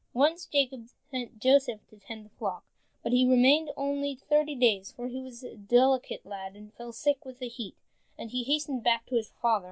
Once Jacob sent Joseph to tend the flock, but he remained away only thirty days, for he was a delicate lad and fell sick with the heat, and he hastened back to his father.